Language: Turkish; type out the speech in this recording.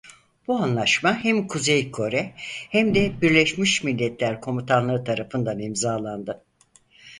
Bu anlaşma hem Kuzey Kore hem de Birleşmiş Milletler Komutanlığı tarafından imzalandı.